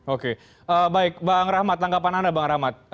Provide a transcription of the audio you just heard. oke baik bang rahmat tanggapan anda bang rahmat